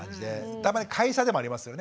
たまに会社でもありますよね。